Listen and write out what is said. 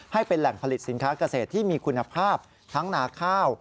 ให้เป็นแหล่งผลิตสินค้าเกษตรที่มีคุณภาพทั้งนาข้าว